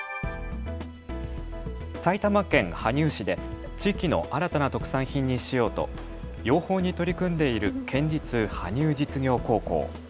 埼玉県羽生市で地域の新たな特産品にしようと養蜂に取り組んでいる県立羽生実業高校。